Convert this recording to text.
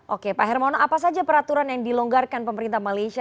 oke pak hermono apa saja peraturan yang dilonggarkan pemerintah malaysia